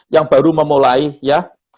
yang baru memulai ya